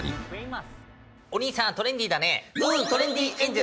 おにいさんトレンディだね。